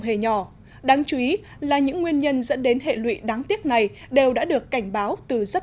hề nhỏ đáng chú ý là những nguyên nhân dẫn đến hệ lụy đáng tiếc này đều đã được cảnh báo từ rất